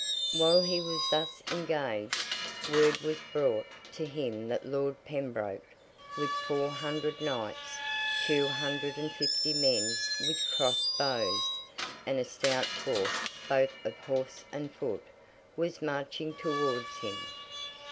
While he was thus engaged, word was brought to him that Lord Pembroke, with four hundred knights, two hundred and fifty men with cross bows, and a stout force both of horse and foot, was marching towards him.